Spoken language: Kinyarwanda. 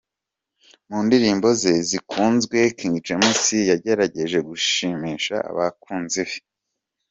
Mu ndirimbo ze zikunzwe King James yagerageje gushimisha abakunzi be.